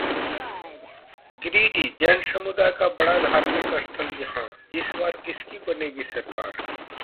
गिरिडीहः जैन समुदाय का बड़ा धार्मिक स्थल यहां, इस बार किसकी बनेगी सरकार